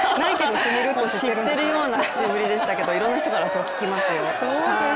知ってるような口ぶりでしたけどいろんな人から、そう聞きますよ。